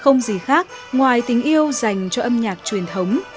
không gì khác ngoài tình yêu dành cho âm nhạc truyền thống